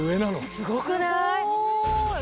すごくない？